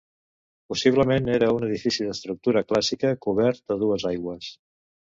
Possiblement era un edifici d'estructura clàssica, cobert a dues aigües.